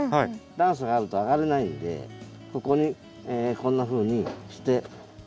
段差があると上がれないのでここにこんなふうにして。